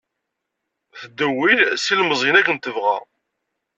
Teddewwil s ilemẓiyen akken tebɣa.